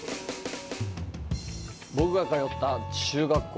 僕が通った中学校。